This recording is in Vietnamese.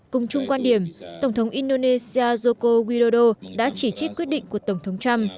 cùng chung quan điểm tổng thống indonesia joko widodo đã chỉ trích quyết định của tổng thống trump